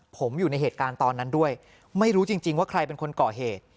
ผมอยู่ในเหตุการณ์ตอนนั้นด้วยไม่รู้จริงว่าใครเป็นคนก่อเหตุ